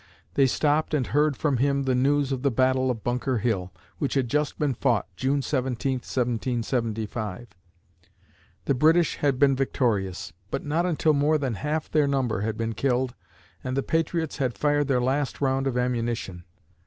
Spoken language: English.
They stopped and heard from him the news of the Battle of Bunker Hill, which had just been fought (June 17, 1775). The British had been victorious, but not until more than half their number had been killed and the patriots had fired their last round of ammunition.